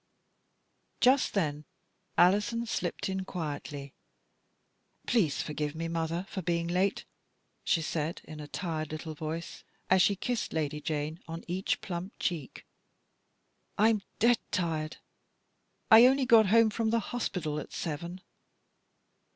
Just then Alison slipped in quietly. " Please forgive me, mother, for being late," she said, in a tired little voice, as she kissed Lady Jane on each plump cheek. " I'm dead tired. I only got home from the hospital at seven."